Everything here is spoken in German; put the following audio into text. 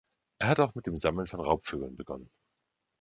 Er hat auch mit dem Sammeln von Raubvögeln begonnen.